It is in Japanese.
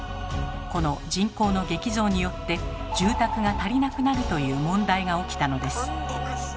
この人口の激増によって住宅が足りなくなるという問題が起きたのです。